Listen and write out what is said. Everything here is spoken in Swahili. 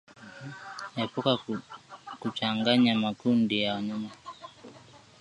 Epuka kuchanganya makundi ya wanyama